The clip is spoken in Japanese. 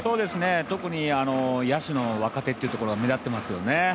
特に、野手の若手っていうところが目立ってますよね。